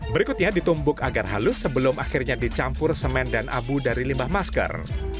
berikutnya ditumbuk agar halus sebelum akhirnya dicampur semen dan abu dari limbah masker